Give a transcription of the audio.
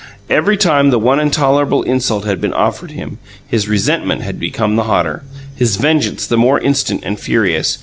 Every time the one intolerable insult had been offered him, his resentment had become the hotter, his vengeance the more instant and furious.